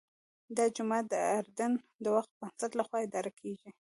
دا جومات د اردن د وقف بنسټ لخوا اداره کېږي.